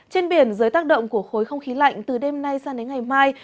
trên biển dưới tác động của khối không khí lạnh từ đêm nay sang đến ngày mai